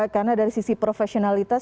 karena dari sisi profesionalitas